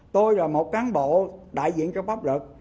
tôi là một cán bộ đại diện cho pháp luật